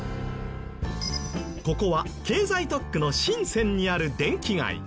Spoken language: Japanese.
ここは経済特区の深センにある電気街。